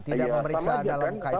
tidak memeriksa dalam kaitan